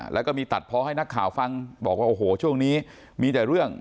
แล้วก็มีตัดพอให้นักข่าวฟังบอกว่าโอ้โหช่วงนี้มีแต่เรื่อง